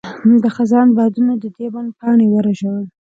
د خزان بادونو د دې بڼ پاڼې ورژول.